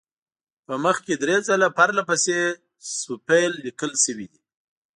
په مخ کې درې ځله پرله پسې صفیل لیکل شوی دی.